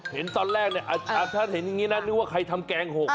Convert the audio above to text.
เห็นตอนแรกเนี่ยถ้าเห็นงี้แล้วนึกว่าใครทำแกงหก